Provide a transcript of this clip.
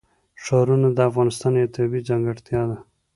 ښارونه د افغانستان یوه طبیعي ځانګړتیا ده.